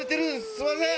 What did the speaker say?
すいません。